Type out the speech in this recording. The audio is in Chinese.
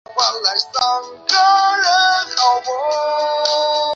其东西两翼曾有明万历二十三年建的长洲县城隍庙和吴县城隍庙。